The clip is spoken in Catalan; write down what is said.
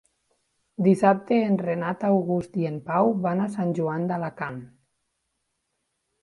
Dissabte en Renat August i en Pau van a Sant Joan d'Alacant.